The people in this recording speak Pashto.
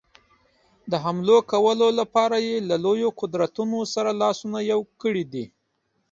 د حملو کولو لپاره یې له لویو قدرتونو سره لاسونه یو کړي دي.